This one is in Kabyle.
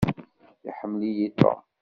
Iḥemmel-iyi Tom.